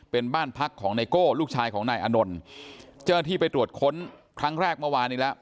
เป็นบ้านพักของไนโก้ลูกชายของนายอานนท์เจ้าหน้าที่ไปตรวจค้นครั้งแรกเมื่อวานนี้แล้ว